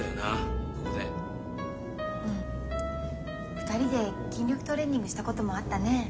２人で筋力トレーニングしたこともあったねえ。